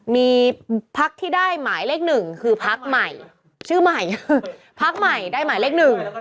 มีพักที่ได้หมายเลขหนึ่งคือพักใหม่ชื่อใหม่พักใหม่ได้หมายเลขหนึ่ง